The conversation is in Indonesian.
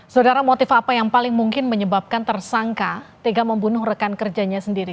saudara motif apa yang paling mungkin menyebabkan tersangka tega membunuh rekan kerjanya sendiri